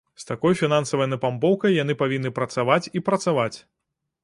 З такой фінансавай напампоўкай яны павінны працаваць і працаваць!